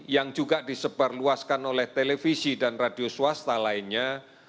yang juga disebarluaskan oleh televisi dan radio swasta lainnya